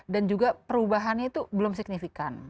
dan juga perubahannya itu belum signifikan